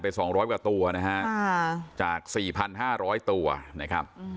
ไปสองร้อยกว่าตัวนะฮะจากสี่พันห้าร้อยตัวนะครับ